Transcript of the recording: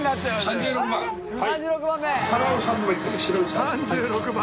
３６番。